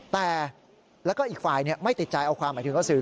แต่แล้วก็อีกฝ่ายไม่ติดใจเอาความหมายถึงเอาสื่อ